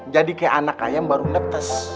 jadi kayak anak ayam baru neptes